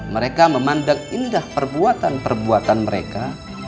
mereka memandang indah perbuatan perbuatan mereka